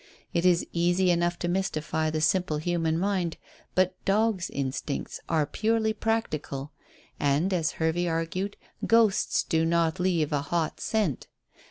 It is easy enough to mystify the simple human mind, but dogs' instincts are purely practical, and, as Hervey argued, ghosts do not leave a hot scent.